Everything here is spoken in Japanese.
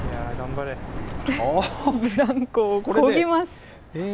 ブランコをこぎます。